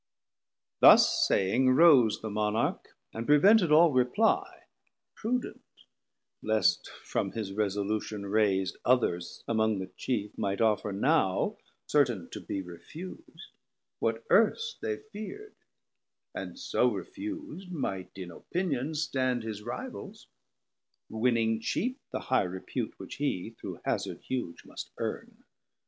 Thus saying rose The Monarch, and prevented all reply, Prudent, least from his resolution rais'd Others among the chief might offer now (Certain to be refus'd) what erst they feard; 470 And so refus'd might in opinion stand His rivals, winning cheap the high repute Which he through hazard huge must earn.